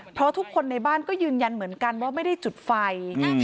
เพราะทุกคนในบ้านก็ยืนยันเหมือนกันว่าไม่ได้จุดไฟ